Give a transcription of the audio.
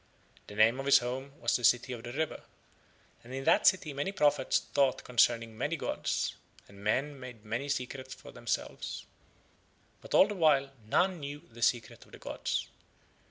The name of his home was the City by the River, and in that city many prophets taught concerning many gods, and men made many secrets for themselves, but all the while none knew the Secret of the gods.